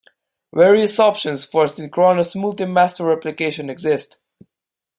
Various options for synchronous multi-master replication exist.